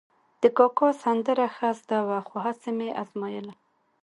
د کاکا سندره ښه زده وه، خو هسې مې ازمایله.